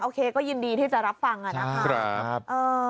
โอเคก็ยินดีที่จะรับฟังนะครับ